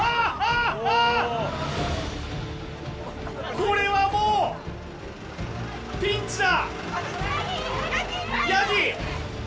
これはもうピンチだ！